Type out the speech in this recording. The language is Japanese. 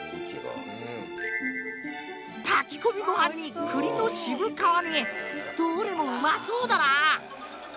炊き込みごはんに栗の渋皮煮どれもうまそうだなあ！